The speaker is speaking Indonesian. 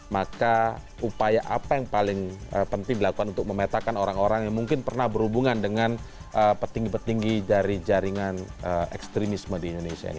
maka upaya apa yang paling penting dilakukan untuk memetakan orang orang yang mungkin pernah berhubungan dengan petinggi petinggi dari jaringan ekstremisme di indonesia ini